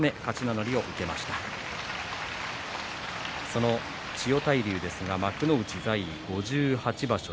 その千代大龍ですが幕内在位５８場所。